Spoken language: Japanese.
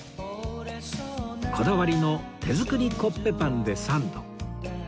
こだわりの手作りコッペパンでサンド